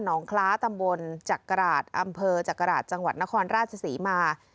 น้องคล้าตำบลจักราชอำเภอจักราชจังหวัดนครราชศรีมา